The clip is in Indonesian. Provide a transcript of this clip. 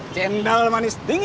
cendol manis dingin